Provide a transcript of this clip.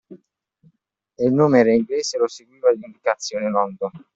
E il nome era inglese e lo seguiva l’indicazione: London.